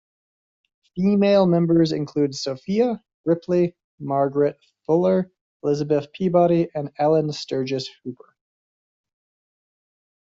Female members included Sophia Ripley, Margaret Fuller, Elizabeth Peabody, and Ellen Sturgis Hooper.